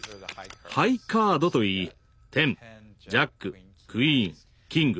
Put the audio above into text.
ハイカードといい１０ジャッククイーンキングエースだ。